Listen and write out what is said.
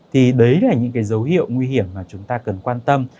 thì đấy là những cái dấu hiệu nguy hiểm mà chúng ta cần quan tâm